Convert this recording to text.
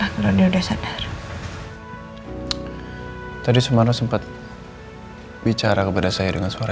alhamdulillah sumarno sudah sadar alhamdulillah sumarno sempat bicara kepada saya dengan suara